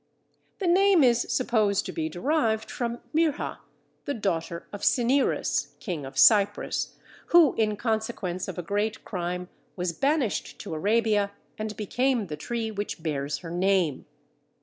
The name is supposed to be derived from Myrrha, the daughter of Cinyras, King of Cyprus, who in consequence of a great crime was banished to Arabia and became the tree which bears her name.